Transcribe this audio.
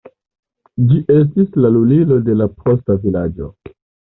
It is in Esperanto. Ĝi estis la lulilo de la posta vilaĝo.